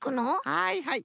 はいはい。